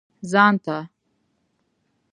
ځان ته.